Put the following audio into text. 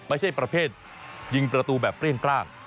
ไม่ใช่ประเภทยิงประตูแบบเกลี้ยงกล้าง